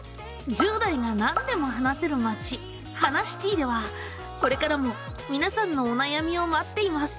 「１０代がなんでも話せる街ハナシティ」ではこれからもみなさんのお悩みを待っています。